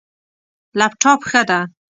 لپټاپ، ښه ده